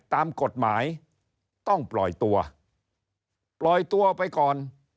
ตามกฎหมายต้องปล่อยตัวปล่อยตัวไปก่อน